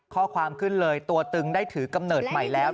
ข้อความขึ้นเลยตัวตึงได้ถือกำเนิดใหม่แล้ว